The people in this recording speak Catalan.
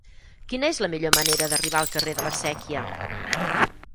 Quina és la millor manera d'arribar al carrer de la Sèquia?